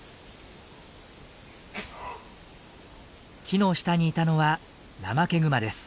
木の下にいたのはナマケグマです。